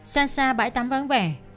xa xa bãi tắm vắng vẻ